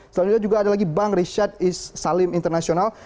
selanjutnya juga ada lagi bank rishad salim internasional